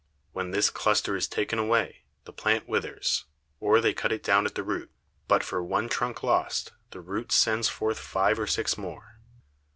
When this Cluster is taken away, the Plant withers, or they cut it down at the Root; but for one Trunk lost, the Root sends forth five or six more.